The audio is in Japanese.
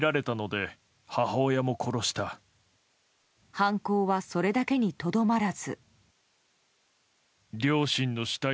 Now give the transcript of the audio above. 犯行はそれだけにとどまらず。